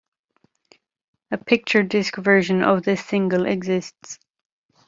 A picture disc version of this single exists.